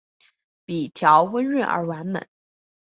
笔调温润而完美